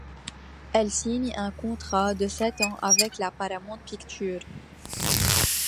Elle signe un contrat de sept ans avec la Paramount Pictures.